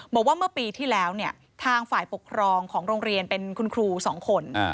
บอกว่าเมื่อปีที่แล้วเนี่ยทางฝ่ายปกครองของโรงเรียนเป็นคุณครู๒คน